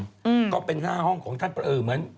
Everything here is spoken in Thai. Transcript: ก็เป็นหน้าห้องของท่านประอือ